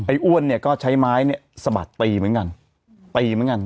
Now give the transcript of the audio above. อ้วนเนี่ยก็ใช้ไม้เนี่ยสะบัดตีเหมือนกันตีเหมือนกัน